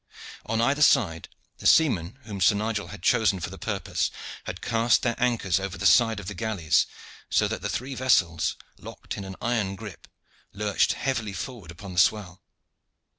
On either side the seamen whom Sir Nigel had chosen for the purpose had cast their anchors over the side of the galleys, so that the three vessels, locked in an iron grip, lurched heavily forward upon the swell.